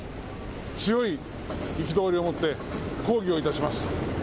強い憤りを持って、抗議をいたします。